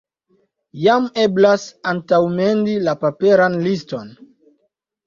Jam eblas antaŭmendi la paperan liston.